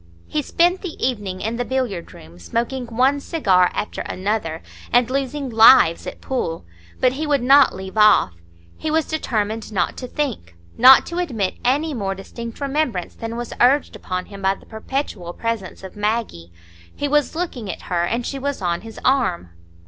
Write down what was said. He spent the evening in the billiard room, smoking one cigar after another, and losing "lives" at pool. But he would not leave off. He was determined not to think,—not to admit any more distinct remembrance than was urged upon him by the perpetual presence of Maggie. He was looking at her, and she was on his arm.